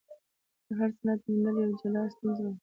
د هر سند موندل یوه جلا ستونزه وه.